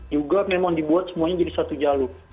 juga memang dibuat semuanya jadi satu jalur